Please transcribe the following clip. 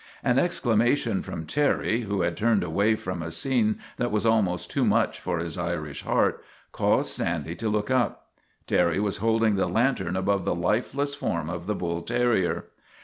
An exclamation from Terry, who had turned away from a scene that was almost too much for his Irish heart, caused Sandy to look up. Terry was holding the lantern above the lifeless form of the bull terrier.